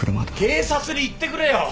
警察に言ってくれよ！